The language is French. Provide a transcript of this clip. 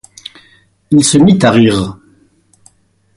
Il se mit à rire.